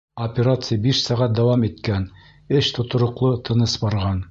Операция биш сәғәт дауам иткән, эш тотороҡло, тыныс барған.